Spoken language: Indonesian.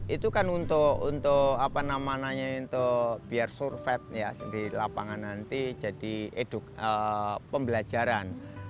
itu kan untuk apa namanya biar surfeit di lapangan nanti jadi eduk pembelajaran